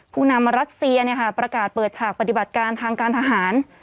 ภูนามรัสเซียเนี่ยค่ะประกาศเปิดฉากปฏิบัติการทางการทหาร